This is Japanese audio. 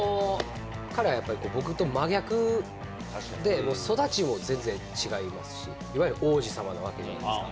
あれはやっぱり僕と真逆で、育ちも全然違いますし、いわゆる王子様なわけじゃないですか。